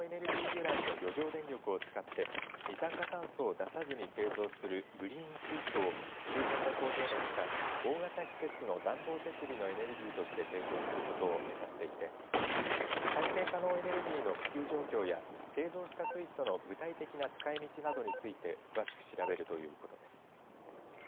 由来の余剰電力を使って二酸化炭素を出さずに製造するグリーン水素を周辺の工場のほか大型施設の暖房設備のエネルギーとして提供することを目指していて再生可能エネルギーの普及状況や製造した水素の具体的な使いみちなどについて詳しく調べるということです。